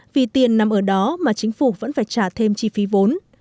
vì tiền nằm ở đó mà chính phủ vẫn phải trả thêm chi phí vốn